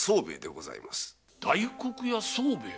大黒屋宗兵衛？